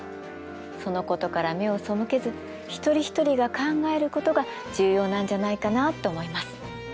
そのことから目を背けず一人一人が考えることが重要なんじゃないかなと思います。